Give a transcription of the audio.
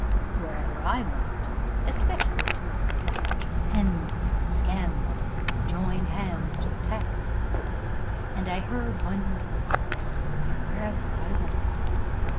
Wherever I went, especially to Mrs. Luttridge's, envy and scandal joined hands to attack me, and I heard wondering and whispering wherever I went.